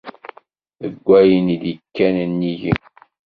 Deg wayen i d-ikkan nnig-i!